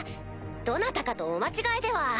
どなたかとお間違えでは？